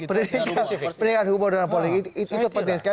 pendidikan humor dan politik itu penting